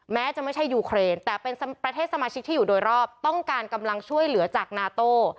แม้จะไม่ใช่ยูเครนแต่เป็นประเทศสมาชิกที่อยู่โดยรอบต้องการกำลังช่วยเหลือจากนาโต้